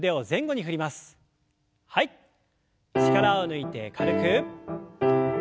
力を抜いて軽く。